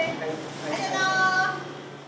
ありがとう。